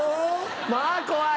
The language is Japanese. まぁ怖い。